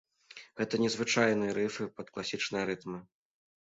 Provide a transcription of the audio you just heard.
Гэта не звычайныя рыфы пад класічныя рытмы.